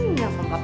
ini yang bapak